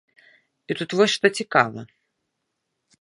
І тут вось што цікава.